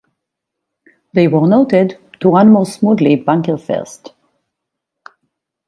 They were noted to run more smoothly bunker-first.